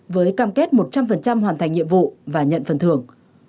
với cam kết một trăm linh hoàn thành nhiệm vụ và nhận phần thưởng